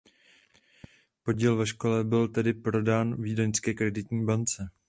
Podíl ve Škodě byl tedy prodán Vídeňské kreditní bance.